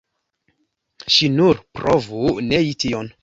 Ŝi nur provu nei tion!